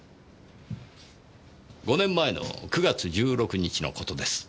５年前の９月１６日のことです。